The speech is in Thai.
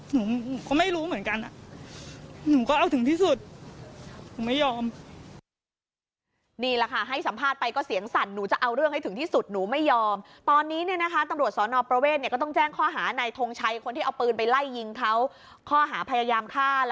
หนูก็ไม่รู้เหมือนกันอ่ะหนูก็เอาถึงที่สุดหนูไม่ยอม